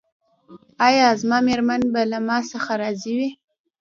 ایا زما میرمن به له ما څخه راضي وي؟